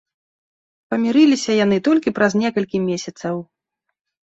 Памірыліся яны толькі праз некалькі месяцаў.